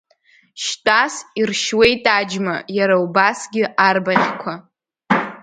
Шьтәас иршьуеит аџьма, иара убасгьы арбаӷьқәа.